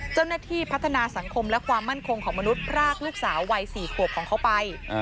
เจ้าหน้าที่พัฒนาสังคมและความมั่นคงของมนุษย์พรากลูกสาววัย๔ขวบของเขาไป